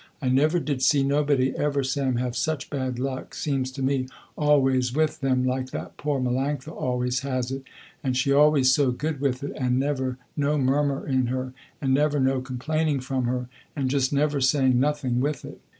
I never did see nobody ever Sam, have such bad luck, seems to me always with them, like that poor Melanctha always has it, and she always so good with it, and never no murmur in her, and never no complaining from her, and just never saying nothing with it.